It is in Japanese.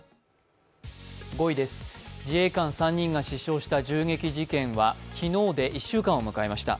５位です、自衛官３人が銃撃された事件は昨日で１週間を迎えました。